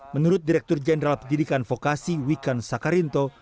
menurut direktur jenderal pendidikan fokasi wikan sakarinto